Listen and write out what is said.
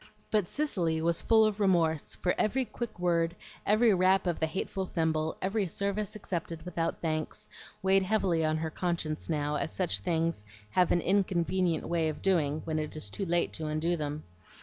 But Cicely was full of remorse; for every quick word, every rap of the hateful thimble, every service accepted without thanks, weighed heavily on her conscience now, as such things have an inconvenient way of doing when it is too late to undo them.